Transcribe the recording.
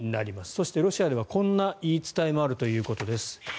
そしてロシアではこんな言い伝えもあるということです。